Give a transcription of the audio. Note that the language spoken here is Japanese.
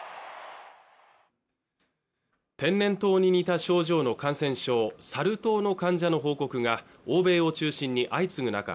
天然痘に似た症状の感染症サル痘の患者の報告が欧米を中心に相次ぐ中